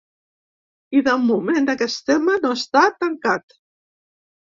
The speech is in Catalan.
I de moment, aquest tema no està tancat.